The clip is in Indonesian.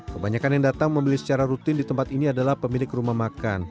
kebanyakan yang datang membeli secara rutin di tempat ini adalah pemilik rumah makan